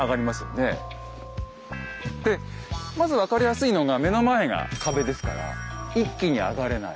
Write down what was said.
でまず分かりやすいのが目の前が壁ですから一気に上がれない。